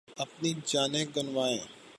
اپنی جانیں گنوائیں